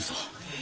え？